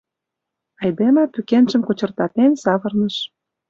Айдеме, пӱкенжым кочыртатен, савырныш.